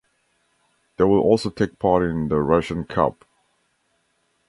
They will also take part in the Russian Cup.